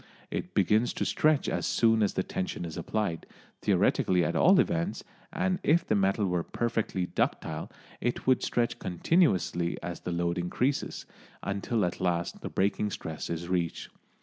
It begins to stretch as soon as the tension is applied, theoretically at all events, and if the metal were perfectly ductile it would stretch continuously as the load increases, until at last the breaking stress is reached.